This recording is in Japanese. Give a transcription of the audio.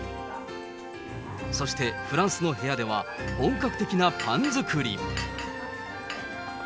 そしてフランスの部屋では、本格的なパン作り。